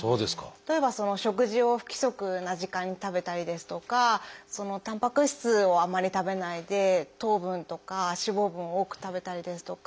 例えば食事を不規則な時間に食べたりですとかたんぱく質をあまり食べないで糖分とか脂肪分を多く食べたりですとか。